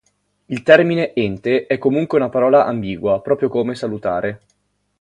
Il termine ente è comunque una parola ambigua, proprio come "salutare".